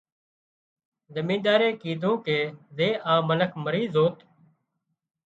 زمينۮارئي ڪيڌو ڪي زي آ منک مري زوت